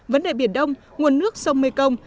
vấn đề biển đông nguồn nước sông mekong